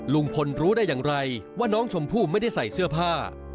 ลุงพลรู้ได้อย่างไรว่าน้องชมพู่ไม่ได้ใส่เสื้อผ้า